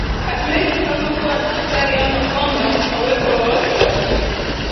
Hatuwezi kamwe kuwa na hatari au kwamba kuna uwepo wowote wa dutu